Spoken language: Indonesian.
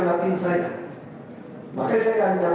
nah di sana itu kan ada